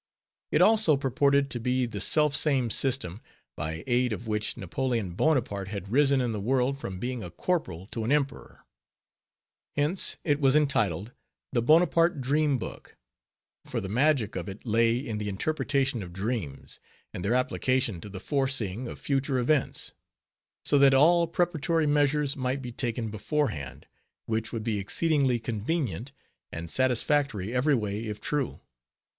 It also purported to be the selfsame system, by aid of which Napoleon Bonaparte had risen in the world from being a corporal to an emperor. Hence it was entitled the Bonaparte Dream Book; for the magic of it lay in the interpretation of dreams, and their application to the foreseeing of future events; so that all preparatory measures might be taken beforehand; which would be exceedingly convenient, and satisfactory every way, if true.